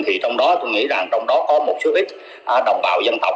thì trong đó tôi nghĩ rằng trong đó có một số ít đồng bào dân tộc